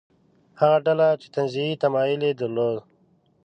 هغه ډله چې تنزیهي تمایل یې درلود.